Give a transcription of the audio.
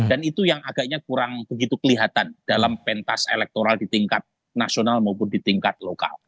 dan itu yang agaknya kurang begitu kelihatan dalam pentas elektoral di tingkat nasional maupun di tingkat lokal